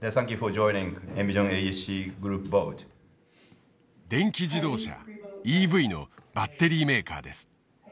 電気自動車ＥＶのバッテリーメーカーです。